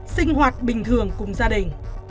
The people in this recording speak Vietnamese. sinh hoạt bình thường cùng gia đình